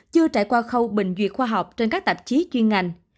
chưa trải qua khâu bình duyệt khoa học trên các tạp chí chuyên ngành